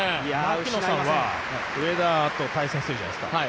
槙野さんは上田と対戦しているじゃないですか。